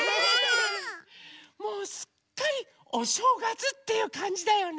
もうすっかりおしょうがつっていうかんじだよね。